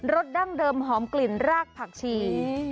สดั้งเดิมหอมกลิ่นรากผักชี